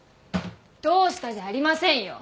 「どうした？」じゃありませんよ。